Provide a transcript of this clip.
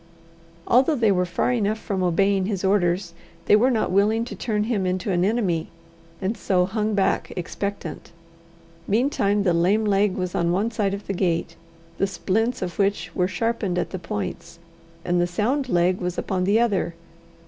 Although they were far enough from obeying his orders, they were not willing to turn him into an enemy, and so hung back expectant. Meantime the lame leg was on one side of the gate, the splints of which were sharpened at the points, and the sound leg was upon the other.